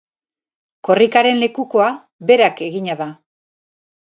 Korrikaren lekukoa berak egina da.